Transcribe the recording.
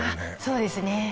そうですね